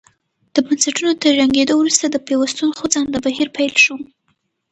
د بنسټونو تر ړنګېدو وروسته د پیوستون خوځنده بهیر پیل شو.